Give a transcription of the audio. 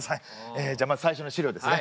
えじゃあまず最初の資料ですね。